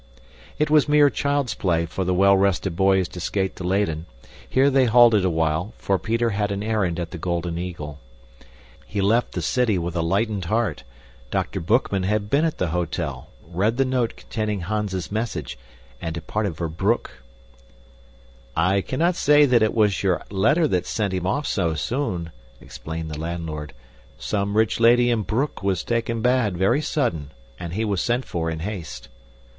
It was mere child's play for the well rested boys to skate to Leyden. Here they halted awhile, for Peter had an errand at the Golden Eagle. He left the city with a lightened heart; Dr. Boekman had been at the hotel, read the note containing Hans's message, and departed for Broek. "I cannot say that it was your letter sent him off so soon," explained the landlord. "Some rich lady in Broek was taken bad very sudden, and he was sent for in haste."